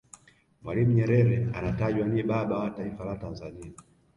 mwalimu nyerere anatajwa ni baba wa taifa la tanzania